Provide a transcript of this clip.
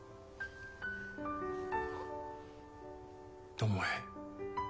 巴。